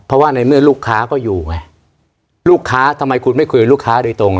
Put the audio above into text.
เพราะว่าในเมื่อลูกค้าก็อยู่ไงลูกค้าทำไมคุณไม่คุยกับลูกค้าโดยตรง